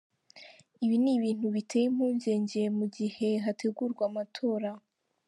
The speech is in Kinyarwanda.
Ibi ni ibintu biteye impungenge mu gihe hategurwa amatora ".